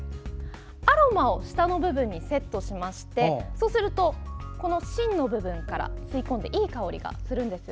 アロマを下の部分にセットしますと芯の部分から吸い込んでいい香りがするんです。